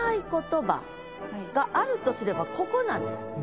あるとすればここなんです。